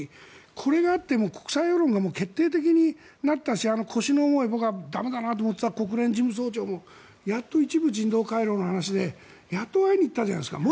これがあって国際世論が決定的になったし腰の重い、駄目だなと思っていた国連事務総長もやっと一部、人道回廊の話でやっと会いに行ったじゃないですか。